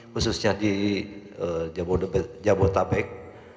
khususnya di jabodetabek